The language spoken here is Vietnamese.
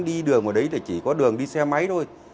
đi đường ở đấy là chỉ có đường đi xe máy thôi